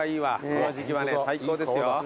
この時季はね最高ですよ。